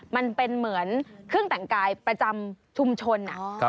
มันเป็นเหมือนเครื่องแต่งกายประจำชุมชน